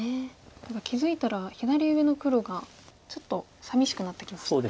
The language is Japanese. ただ気付いたら左上の黒がちょっとさみしくなってきましたね。